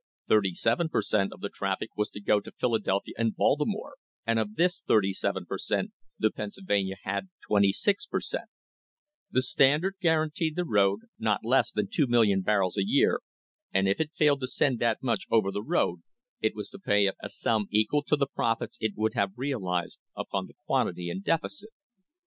Thirty seven per cent, of the traffic was to go to Philadelphia and Baltimore, and of this thirty seven per cent, the Pennsylvania had twenty six per cent. The Stand ard guaranteed the road not less than 2,000,000 barrels a year, and if it failed to send that much over the road it was to pay THE HISTORY OF THE STANDARD OIL COMPANY it a sum equal to the profits it would have realised upon the quantity in deficit.